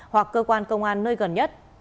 hoặc cơ quan công an nơi gần nhất